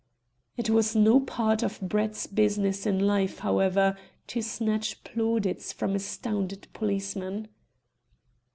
It was no part of Brett's business in life, however, to snatch plaudits from astounded policemen.